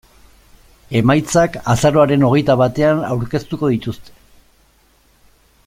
Emaitzak azaroaren hogeita batean aurkeztuko dituzte.